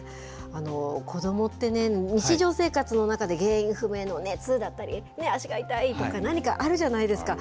子どもってね、日常生活の中で、原因不明の熱だったり、足が痛いとか、何かあるじゃないですか。